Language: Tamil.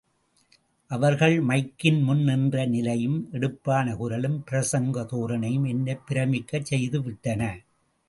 அவர்கள் மைக்கின் முன் நின்ற நிலையும் எடுப்பான குரலும், பிரசங்க தோரணையும் என்னைப் பிரமிக்கச் செய்துவிட்டன.